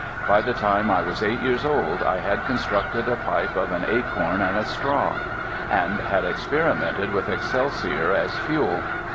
By the time I was eight years old I had constructed a pipe of an acorn and a straw, and had experimented with excelsior as fuel.